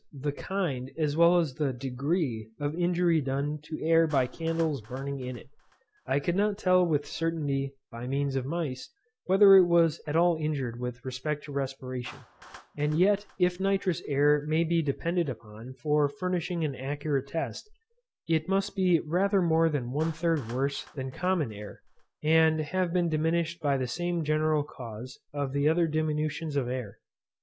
the kind as well as the degree of injury done to air by candles burning in it. I could not tell with certainty, by means of mice, whether it was at all injured with respect to respiration; and yet if nitrous air may be depended upon for furnishing an accurate test, it must be rather more than one third worse than common air, and have been diminished by the same general cause of the other diminutions of air.